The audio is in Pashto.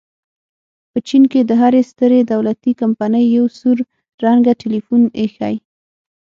په چین کې د هرې سترې دولتي کمپنۍ یو سور رنګه ټیلیفون ایښی.